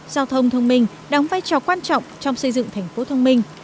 giao thông thông minh đóng vai trò quan trọng trong xây dựng thành phố thông minh